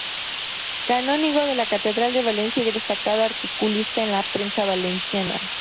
Canónigo de la Catedral de Valencia y destacado articulista en la prensa valenciana.